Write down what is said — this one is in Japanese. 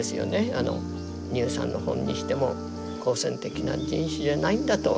あの「ＮｅｗＳｕｎ」の本にしても好戦的な人種じゃないんだと。